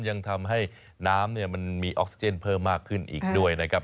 ยังทำให้น้ำมันมีออกซิเจนเพิ่มมากขึ้นอีกด้วยนะครับ